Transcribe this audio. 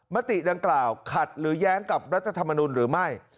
มติดังกล่าวขัดหรือแย้งกับรัฐธรรมนุนหรือไม่